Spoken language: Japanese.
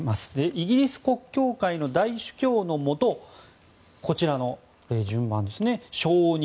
イギリス国教会の大主教のもとこちらの順番ですね承認、